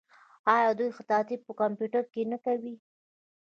آیا دوی خطاطي په کمپیوټر کې نه کوي؟